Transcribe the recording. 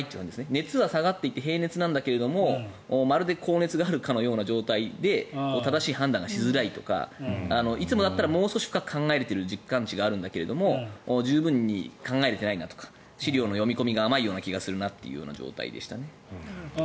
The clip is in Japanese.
熱は下がっていて平熱だけどまるで高熱があるかのような状態で正しい判断がしづらいとかいつもだったらもう少し深く考えられている実感があるんだけど十分に考えられていないなとか資料の読み込みが甘いような気がするなという状態でしたね。